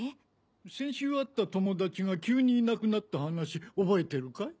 先週会った友達が急にいなくなった話覚えてるかい？